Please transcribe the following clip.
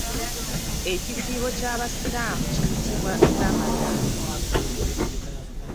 Ekisiibo ky'abasiraamu kiyitibwa Ramadan.